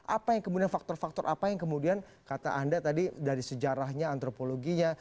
apa yang kemudian faktor faktor apa yang kemudian kata anda tadi dari sejarahnya antropologinya